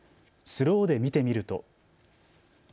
スローで見てみると。